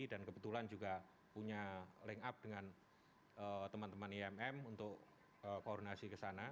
dan kebetulan juga punya link up dengan teman teman imm untuk koordinasi